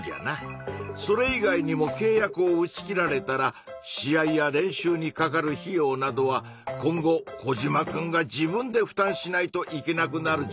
それ以外にもけい約を打ち切られたら試合や練習にかかる費用などは今後コジマくんが自分でふたんしないといけなくなるじゃろうなぁ。